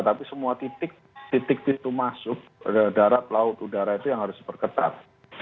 tapi semua titik titik pintu masuk darat laut udara itu yang harus diperketat